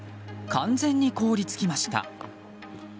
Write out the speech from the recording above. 完全に凍り付きました。